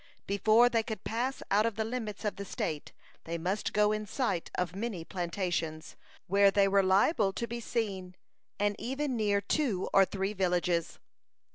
Before they could pass out of the limits of the state, they must go in sight of many plantations, where they were liable to be seen, and even near two or three villages.